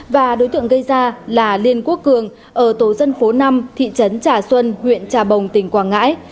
và đối tượng gây ra là liên quốc cường ở tổ dân phố năm thị trấn trà xuân huyện trà bồng tỉnh quảng ngãi